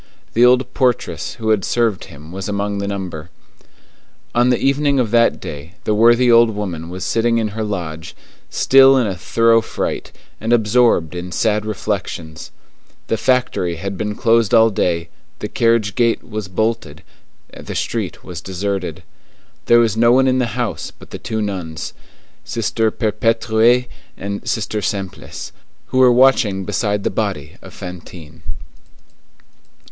The old portress who had served him was among the number. On the evening of that day the worthy old woman was sitting in her lodge, still in a thorough fright, and absorbed in sad reflections. The factory had been closed all day, the carriage gate was bolted, the street was deserted. There was no one in the house but the two nuns, Sister Perpétue and Sister Simplice, who were watching beside the body of Fantine.